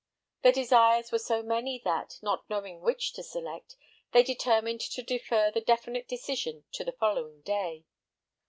Their desires were so many that, not knowing which to select, they determined to defer the definite decision to the following day.